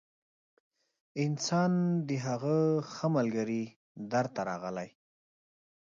انسان د هغه ښه ملګري در ته راغلی